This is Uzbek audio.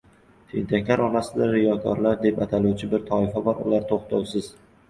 Tentaklar orasida riyokorlar deb ataluvchi bir toifa bor, ular to‘xtovsiz